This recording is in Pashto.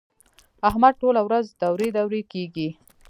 احمد ټوله ورځ دورې دورې کېږي.